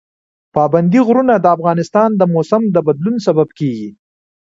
پابندي غرونه د افغانستان د موسم د بدلون سبب کېږي.